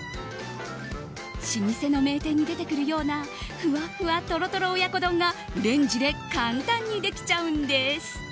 老舗の名店に出てくるようなふわふわトロトロ親子丼がレンジで簡単にできちゃうんです。